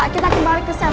ayo kita kembali ke sel